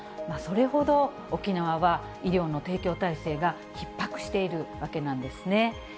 それほど沖縄は医療の提供体制がひっ迫しているわけなんですね。